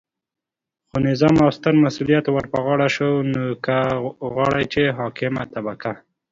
خو نظام او ستر مسؤلیت ورپه غاړه شو، نو که غواړئ چې حاکمه طبقه